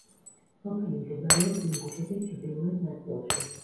სოფელი მდებარეობს ინგუშეთის ჩრდილოეთ ნაწილში.